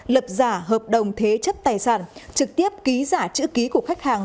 lập giả hợp đồng thế chất tài sản trực tiếp ký giả chữ ký của khách hàng